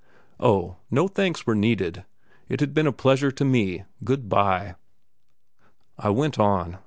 Oh, no thanks were needed; it had been a pleasure to me. Good bye! I went on.